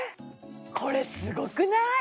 これすごくない？